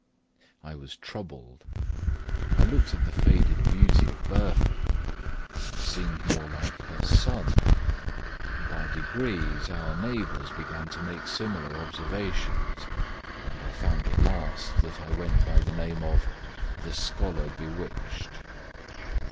I was troubled. I looked at the faded beauty of Bertha I seemed more like her son. By degrees our neighbours began to make similar observations, and I found at last that I went by the name of the Scholar bewitched.